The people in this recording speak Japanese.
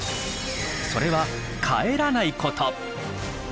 それは「帰らない」こと！